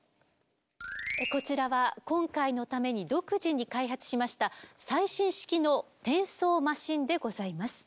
こちらは今回のために独自に開発しました最新式の転送マシンでございます。